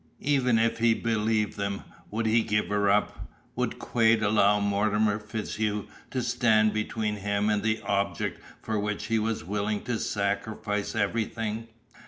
Even if he believed them, would he give her up? Would Quade allow Mortimer FitzHugh to stand between him and the object for which he was willing to sacrifice everything?